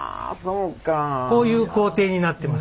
こういう工程になってます。